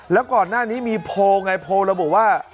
แล้วก่อนหน้านี้มีโพลไงโพลระบุว่า